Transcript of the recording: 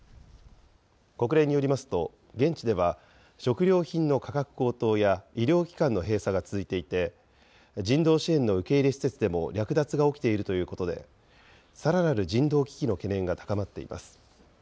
国連によりますと、現地では食料品の価格高騰や医療機関の閉鎖が続いていて、人道支援の受け入れ施設でも略奪が起きているということで、さらなる人道危機の懸念が高まっています。